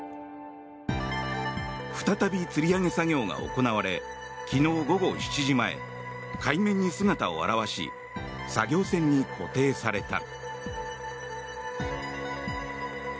再びつり上げ作業が行われ昨日午後７時前海面に姿を現し作業船に固定された。